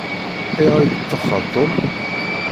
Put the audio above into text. Ayɣer i yeṭṭaxxer Tom?